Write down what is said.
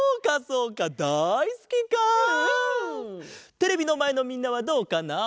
テレビのまえのみんなはどうかなあ？